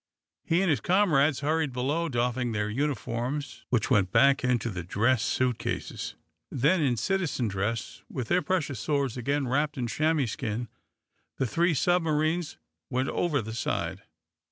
He and his comrades hurried below, doffing their uniforms, which went back into the dress suit cases. Then, in citizen dress, with their precious swords again wrapped in chamois skin, the three submarines went over the side.